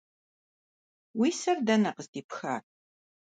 Уи сэр дэнэ къыздипхар?